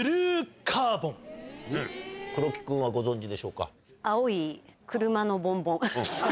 黒木君はご存じでしょうか？